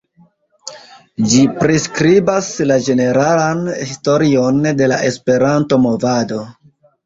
Ĝi priskribas la ĝeneralan historion de la Esperanto-movado.